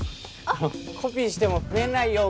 あのコピーしても増えないよ